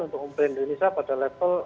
untuk memimpin indonesia pada level